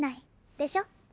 でしょ？